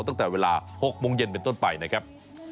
ตั้งแต่เวลา๖โมงเย็นเป็นต้นไปนะครับ